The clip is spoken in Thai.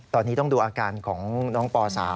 ตอนนี้ต้องดูอาการของน้องป๓